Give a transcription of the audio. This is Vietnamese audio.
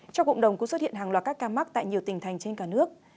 trong cộng đồng cũng xuất hiện hàng loạt các ca mắc tại nhiều tỉnh thành trên cả nước